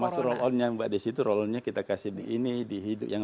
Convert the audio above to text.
termasuk roll on nya mbak desi itu roll on nya kita kasih di hidung